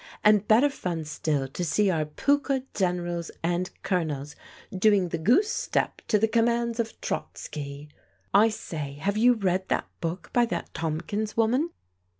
And better fun still to see our * Pukka * Gen erals and Colonels doing the goose step to the commands of Trotsky. I say, have you read that book by that Tomkins woman